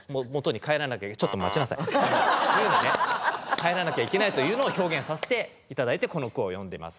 帰らなきゃいけないというのを表現させて頂いてこの句を詠んでます。